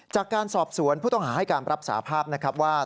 จากการสอบสวนผู้ต้องหาให้การรับสาภาพนะครับว่า